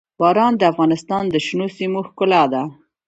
باران د افغانستان د شنو سیمو ښکلا ده.